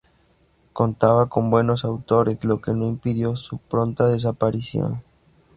Contaba con buenos autores, lo que no impidió su pronta desaparición.